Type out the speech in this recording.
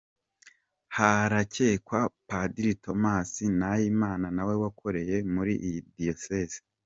Harakekwa Padiri Thomas Nahimana nawe wakoreye muri iyi Diyoseze.